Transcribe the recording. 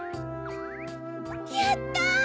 やった！